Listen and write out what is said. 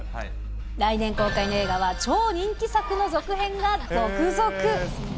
来年公開の映画は超人気作の続編が続々。